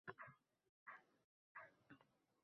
Shunday bo'lmoqni qanchalar istagandi.